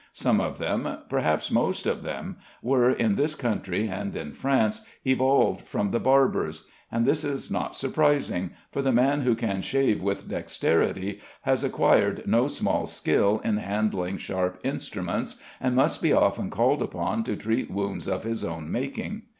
Some of them perhaps most of them were, in this country and in France, evolved from the barbers; and this is not surprising, for the man who can shave with dexterity has acquired no small skill in handling sharp instruments, and must be often called upon to treat wounds of his own making.